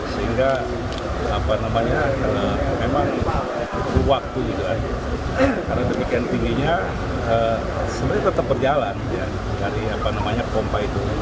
sehingga apa namanya karena memang butuh waktu karena demikian tingginya sebenarnya tetap berjalan dari pompa itu